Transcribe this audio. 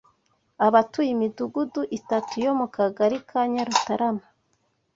abatuye imidugudu itatu yo mu Kagari ka Nyarutarama